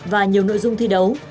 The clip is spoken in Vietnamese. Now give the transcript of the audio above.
và nhiều nội dung thi đấu